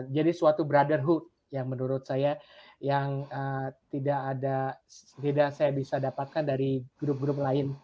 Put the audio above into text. jadi suatu brotherhood yang menurut saya yang tidak ada tidak saya bisa dapatkan dari grup grup lain